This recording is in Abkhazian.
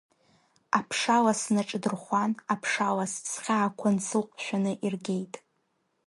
Аԥшалас снаҿдырхәан, аԥшалас, схьаақәа нсылҟәшәаны иргеит…